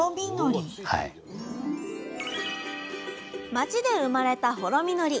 町で生まれた「ほろみのり」。